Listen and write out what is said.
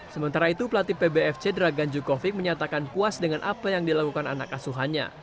sementara itu pelatih pbfc dragan jukovic menyatakan puas dengan apa yang dilakukan anak asuhannya